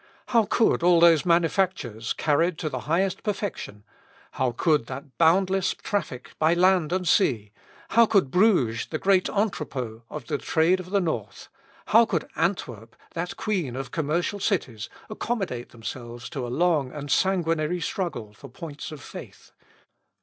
How could all those manufactures, carried to the highest perfection how could that boundless traffic by land and sea how could Bruges, the great entrepot of the trade of the North how could Antwerp, that queen of commercial cities, accommodate themselves to a long and sanguinary struggle for points of faith?